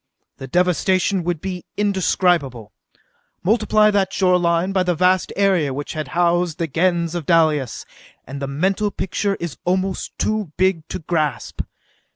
The devastation would be indescribable. Multiply that shoreline by the vast area which had housed the Gens of Dalis, and the mental picture is almost too big to grasp.